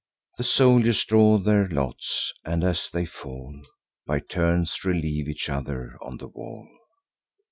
The soldiers draw their lots, and, as they fall, By turns relieve each other on the wall.